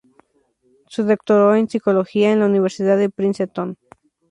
Se doctoró en Psicología en la Universidad de Princeton.